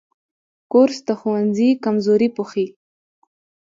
کورس د ښوونځي کمزوري پوښي.